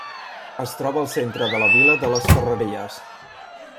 Es troba al centre de la vila de les Ferreries.